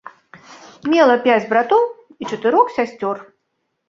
Мела пяць братоў і чатырох сясцёр.